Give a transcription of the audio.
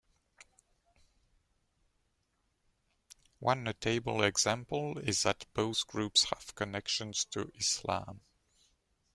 One notable example is that both groups have connections to Islam.